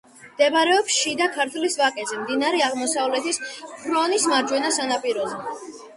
მდებარეობს შიდა ქართლის ვაკეზე, მდინარე აღმოსავლეთის ფრონის მარჯვენა ნაპირზე.